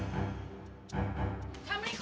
waalaikumsalam bang mawi